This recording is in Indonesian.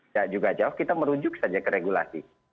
ya juga jauh kita merujuk saja ke regulasi